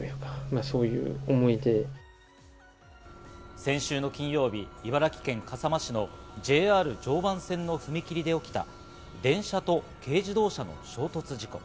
先週の金曜日、茨城県笠間市のＪＲ常磐線の踏切で起きた電車と軽自動車の衝突事故。